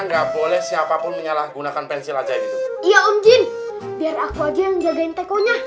tidak boleh siapapun menyalahgunakan pensil ajaib itu ya om jin biar aku aja yang jagain tekonya